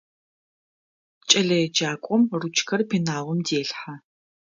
КӀэлэеджакӀом ручкэр пеналым делъхьэ.